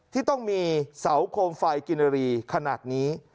ที่ต้องมีเสาโคมไฟกินรีขนาดนี้